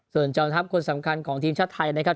ส่วนจอมทัพคนสำคัญของทีมชาติไทยนะครับ